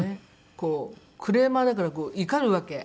こうクレーマーだから怒るわけ。